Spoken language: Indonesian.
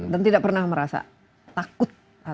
dan tidak pernah merasa takut